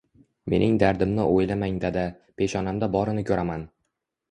Mening dardimni o`ylamang dada, peshonamda borini ko`raman